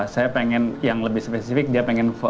saya pengen yang lebih spesifik dia pengen